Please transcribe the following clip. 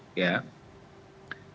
di dalam proses pemerintahan